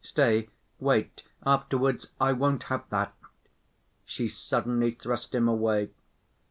Stay, wait, afterwards, I won't have that...." she suddenly thrust him away.